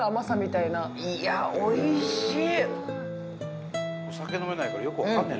いやおいしい。